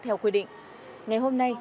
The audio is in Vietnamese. theo quy định ngày hôm nay